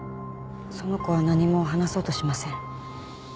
その子は何も話そうとしません。